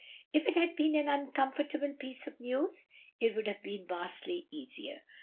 If it had been an uncomfortable piece of news it would have been vastly easier.